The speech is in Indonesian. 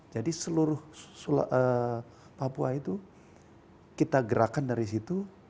jadi seluruh papua itu kita gerakan dari situ